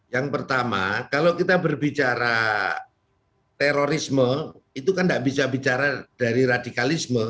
yang pertama kalau kita berbicara terorisme itu kan tidak bisa bicara dari radikalisme